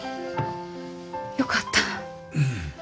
よかった。